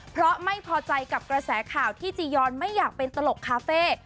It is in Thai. เพราะไม่พอใจกับกระแสข่าวที่จียอนไม่อยากเป็นตลกคาเฟ่